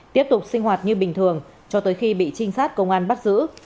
tiếp tục sinh hoạt như bình thường cho tới khi bị trinh sát công an bắt giữ